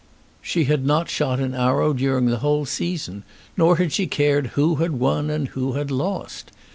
She had not shot an arrow during the whole season, nor had she cared who had won and who had lost.